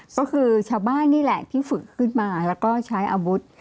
ก็คือชาวบ้านนี่แหละที่ฝึกขึ้นมาแล้วก็ใช้อาวุธ